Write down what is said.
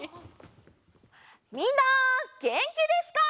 みんなげんきですか？